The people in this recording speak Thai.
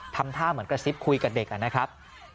ทำท่าเหมือนกระซิบคุยกับเด็กนะครับ